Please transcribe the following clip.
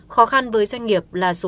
khó khăn với doanh nghiệp là số lao động